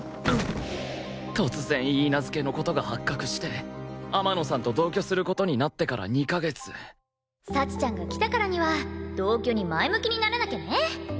突然許嫁の事が発覚して天野さんと同居する事になってから２カ月幸ちゃんが来たからには同居に前向きにならなきゃね！